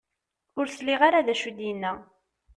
Ur sliɣ ara d acu i d-yenna.